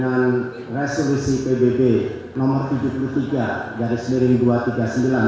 pokca kawasan permukiman perkotaan